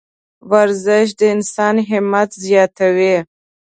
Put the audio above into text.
ورزش د انسان همت زیاتوي.